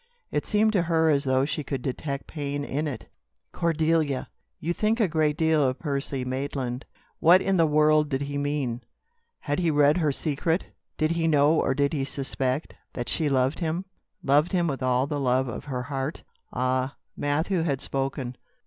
It seemed to her as though she could detect pain in it. "Cordelia! You think a great deal of Percy Maitland?" What in the world did he mean? Had he read her secret? Did he know or did he suspect, that she loved him, loved him with all the love of her heart? Ah! Matthew had spoken.